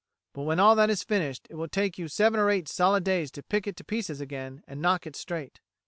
But when all that is finished, it will take you seven or eight solid days to pick it to pieces again, and knock it straight.